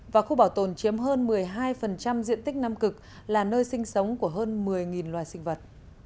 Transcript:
và khu bảo tồn chiếm hơn một mươi hai diện tích nam cực là nơi sinh sống của hơn một mươi loài sinh vật